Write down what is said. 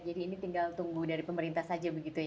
jadi ini tinggal tunggu dari pemerintah saja begitu ya pak tony